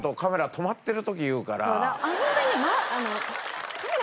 ホントに。